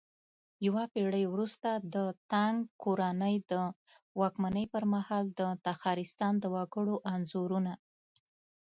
يوه پېړۍ وروسته د تانگ کورنۍ د واکمنۍ پرمهال د تخارستان د وگړو انځورونه